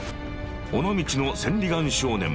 「尾道の千里眼少年」。